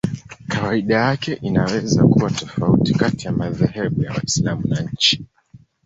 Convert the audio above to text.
Kawaida yake inaweza kuwa tofauti kati ya madhehebu ya Waislamu na nchi.